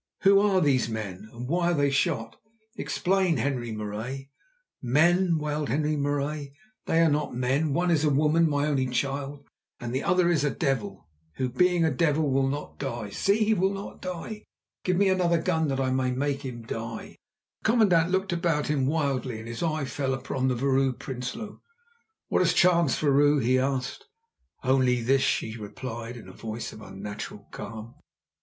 Who are these men, and why are they shot? Explain, Henri Marais." "Men!" wailed Henri Marais, "they are not men. One is a woman—my only child; and the other is a devil, who, being a devil, will not die. See! he will not die. Give me another gun that I may make him die." The commandant looked about him wildly, and his eye fell upon the Vrouw Prinsloo. "What has chanced, vrouw?" he asked. "Only this," she replied in a voice of unnatural calm.